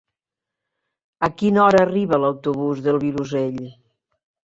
A quina hora arriba l'autobús del Vilosell?